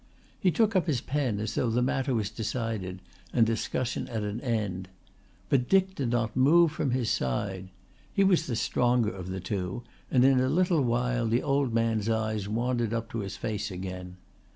He took up his pen as though the matter was decided and discussion at an end. But Dick did not move from his side. He was the stronger of the two and in a little while the old man's eyes wandered up to his face again.